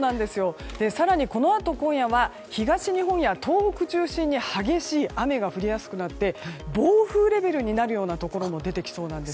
更に、このあと今夜は東日本や東北中心に激しい雨が降りやすくなって暴風雨レベルになるようなところも出てくるんです。